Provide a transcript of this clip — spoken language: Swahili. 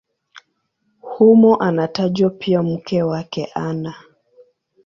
Humo anatajwa pia mke wake Ana.